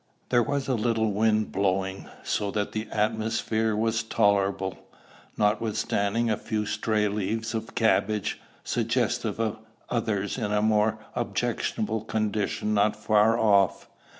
There was a little wind blowing, so that the atmosphere was tolerable, notwithstanding a few stray leaves of cabbage, suggestive of others in a more objectionable condition not far off.